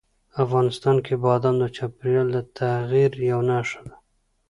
افغانستان کې بادام د چاپېریال د تغیر یوه نښه ده.